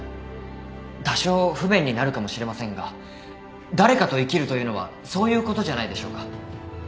多少不便になるかもしれませんが誰かと生きるというのはそういうことじゃないでしょうか。